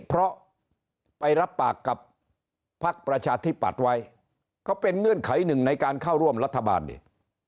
เพราะไปรับปากกับพักประชาธิปัตย์ไว้ก็เป็นเงื่อนไขหนึ่งในการเข้าร่วมรัฐบาลนี่